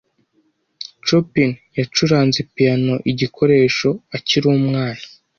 Chopin yacuranze piyano igikoresho akiri umwana